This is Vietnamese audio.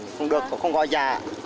không được không có giá